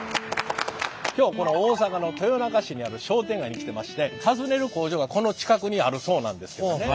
今日この大阪の豊中市にある商店街に来てまして訪ねる工場がこの近くにあるそうなんですけどね。